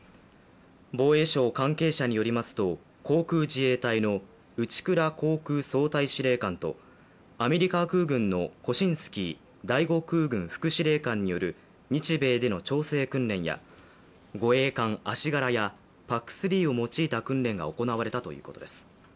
防衛省関係者によりますと航空自衛隊の内倉航空総隊司令官とアメリカ空軍のコシンスキー第５空軍副司令官による日米での調整訓練や、護衛艦「あしがら」やＰＡＣ３を用いた訓練が行われたということです。